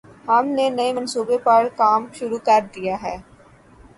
ہم نے نئے منصوبے پر کام شروع کر دیا ہے۔